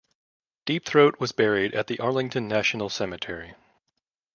Deep Throat was buried at the Arlington National Cemetery.